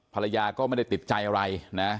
ภรรยาก็ไม่ได้ติดใจอะไรนะ